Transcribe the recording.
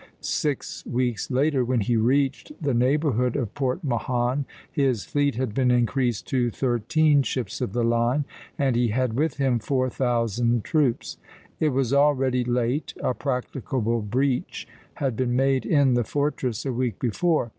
Six weeks later, when he reached the neighborhood of Port Mahon, his fleet had been increased to thirteen ships of the line, and he had with him four thousand troops. It was already late; a practicable breach had been made in the fortress a week before.